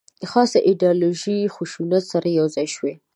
خاصه ایدیالوژي خشونت سره یو ځای شوې.